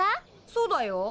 そうだよ。